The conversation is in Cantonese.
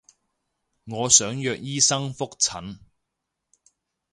我想約醫生覆診